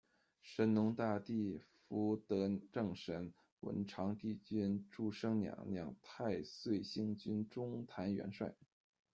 神农大帝、福德正神、文昌帝君、注生娘娘、太岁星君、中坛元帅